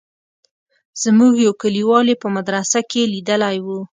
زموږ يو کليوال يې په مدرسه کښې ليدلى و.